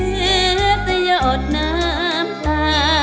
เหลือทะโยชน์น้ำตา